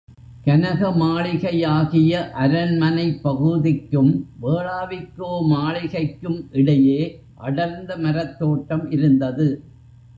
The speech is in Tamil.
கனக மாளிகையாகிய அரண்மனைப் பகுதிக்கும், வேளாவிக்கோ மாளிகைக்கும் இடையே அடர்ந்த மரத்தோட்டம் இருந்தது.